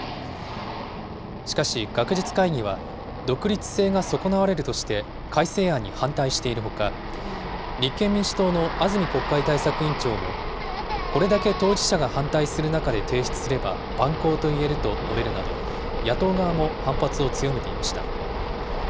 しかし、学術会議は独立性が損なわれるとして改正案に反対しているほか、立憲民主党の安住国会対策委員長もこれだけ当事者が反対する中で提出すれば、蛮行といえると述べるなど、野党側も反発を強めていました。